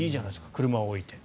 車を置いて。